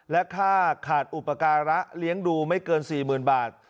และค่าขาดอุปการะเลี้ยงดูไม่เกิน๔๐๐๐บาท